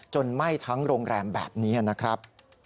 ไหม้ทั้งโรงแรมแบบนี้นะครับ